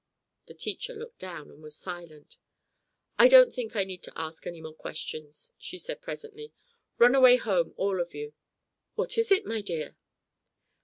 The teacher looked down and was silent. "I don't think I need ask any more questions," she said presently. "Run away home all of you. What is it, my dear?"